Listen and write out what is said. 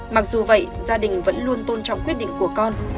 mặc dù vậy gia đình vẫn luôn tôn trọng quyết định của con